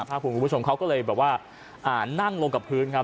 ภาคภูมิคุณผู้ชมเขาก็เลยแบบว่าอ่านั่งลงกับพื้นครับ